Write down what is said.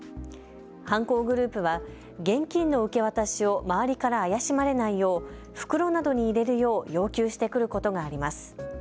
犯行グループは現金の受け渡しを周りから怪しまれないよう袋などに入れるよう要求してくることがあります。